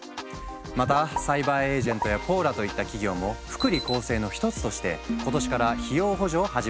またサイバーエージェントやポーラといった企業も福利厚生の一つとして今年から費用補助を始めたんです。